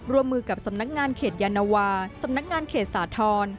ร่วมมือกับสำนักงานเขตยานวาสำนักงานเขตสาธรณ์